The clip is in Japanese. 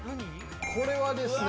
これはですね。